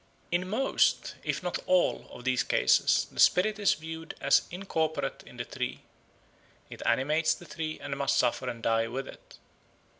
In most, if not all, of these cases the spirit is viewed as incorporate in the tree; it animates the tree and must suffer and die with it.